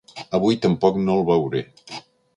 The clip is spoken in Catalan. Avui tampoc no el veuré.